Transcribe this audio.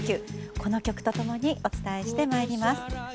この曲と共にお伝えしてまいります。